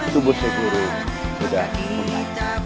tubuh syekh guru sudah memulai